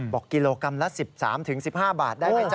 กิโลกรัมละ๑๓๑๕บาทได้ไหมจ๊